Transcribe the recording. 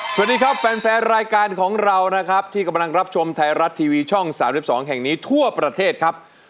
สวัสดีครับแฟนแฟนรายการของเรานะครับที่กำลังรับชมไทยรัฐทีวีช่อง๓๒แห่งนี้ทั่วประเทศครับ